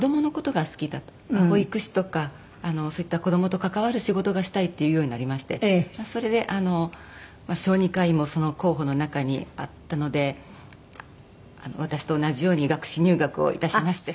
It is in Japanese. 保育士とかそういった子どもと関わる仕事がしたいって言うようになりましてそれであの小児科医もその候補の中にあったので私と同じように学士入学をいたしまして。